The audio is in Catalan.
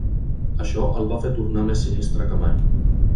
Això el va fer tornar més sinistre que mai.